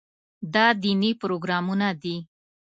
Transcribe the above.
دا دیني پروګرامونه دي.